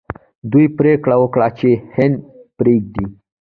دوی پریکړه وکړه چې هند پریږدي.